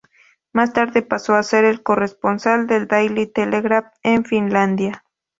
Más tarde pasó a ser el corresponsal del "Daily Telegraph" en Finlandia.